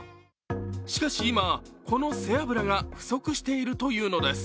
しかし今、この背脂が不足しているというのです。